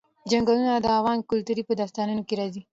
چنګلونه د افغان کلتور په داستانونو کې راځي.